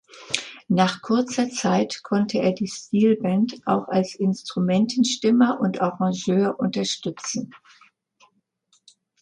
Nach kurzer Zeit konnte er die Steel Band auch als Instrumentenstimmer und Arrangeur unterstützen.